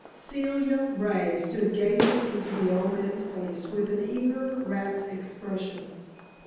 Celia Ray stood gazing into the old man's face with an eager, rapt expression.